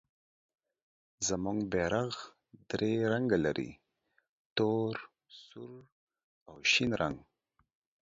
زموږ بیرغ درې رنګه لري، تور، سور او شین رنګ.